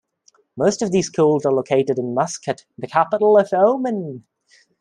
Most of these schools are located in Muscat, the capital of Oman.